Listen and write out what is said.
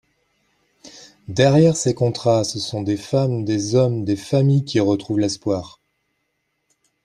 Derrière ces contrats, ce sont des femmes, des hommes, des familles qui retrouvent l’espoir.